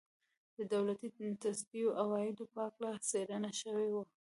د دولتي تصدیو عوایدو په هکله څېړنه شوې وه.